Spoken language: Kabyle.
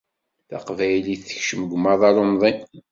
Taqbaylit tekcem ɣer umaḍal umḍin.